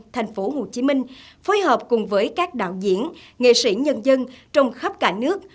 thành phố hồ chí minh phối hợp cùng với các đạo diễn nghệ sĩ nhân dân trong khắp cả nước